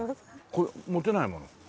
これ持てないもの。